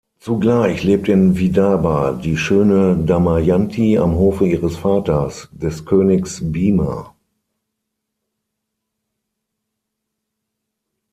Zugleich lebt in Vidarbha die schöne Damayanti am Hofe ihres Vaters, des Königs Bhima.